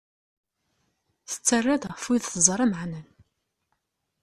Tettara-d ɣef wid teẓra meɛnen.